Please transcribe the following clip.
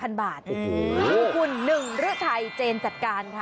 โอ้โหคุณหนึ่งรื้อไทยเจนจัดการค่ะ